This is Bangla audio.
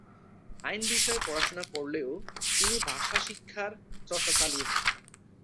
আইন বিষয়ে পড়াশোনা করলেও তিনি ভাষা শিক্ষার চর্চা চালিয়ে যান।